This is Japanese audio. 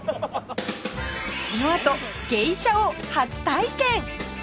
このあと「ゲイシャ」を初体験！